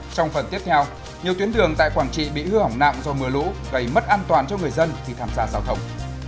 trong phần tiếp theo nhiều tuyến đường tại quảng trị bị hư hỏng nặng do mưa lũ gây mất an toàn cho người dân khi tham gia giao thông